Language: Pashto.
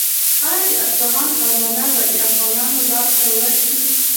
آیا د اصفهان خزانه به د افغانانو لاس ته ورشي؟